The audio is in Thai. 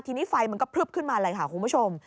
ทีนี้ไฟมันก็พลึบขึ้นมาเลยค่ะคุณผู้ชม